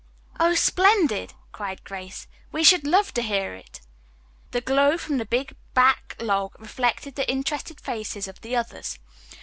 "Oh, splendid!" cried Grace. "We should love to hear it." The glow from the big back log reflected the interested faces of the others.